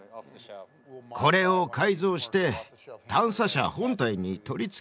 これを改造して探査車本体に取り付けるのさ。